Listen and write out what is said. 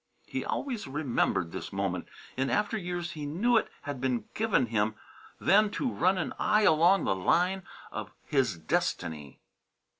He always remembered this moment. In after years he knew it had been given him then to run an eye along the line of his destiny.